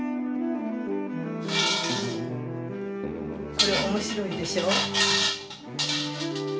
これ面白いでしょう。